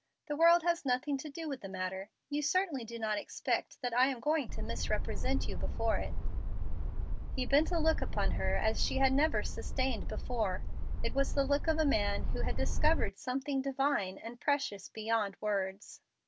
The world has nothing to do with the matter. You certainly do not expect I am going to misrepresent you before it." He bent a look upon her such as she had never sustained before. It was the look of a man who had discovered something divine and precious beyond words.